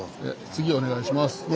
次お願いします。